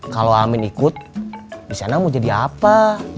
kalau amin ikut disana mau jadi apa